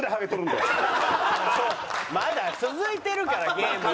まだ続いてるからゲーム。